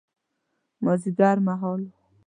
مازیګر مهال و.